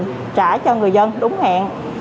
có thể trả cho người dân đúng hẹn